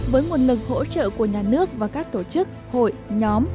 với nguồn lực hỗ trợ của nhà nước và các tổ chức hội nhóm